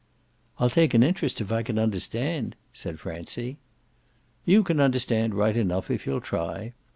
"I'll take an interest if I can understand," said Francie. "You can understand right enough if you'll try.